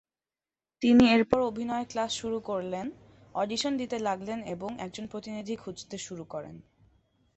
তিনি এরপর অভিনয়ের ক্লাস শুরু করলেন, অডিশন দিতে লাগলেন এবং একজন প্রতিনিধি খুজতে শুরু করেন।